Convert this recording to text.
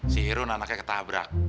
si irun anaknya ketabrak